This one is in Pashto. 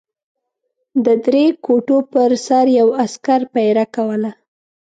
د درې کوټو پر سر یو عسکر پېره کوله.